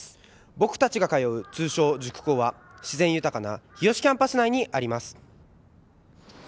僕たちが通う通称・塾高は自然豊かな日吉キャンパス内にあります。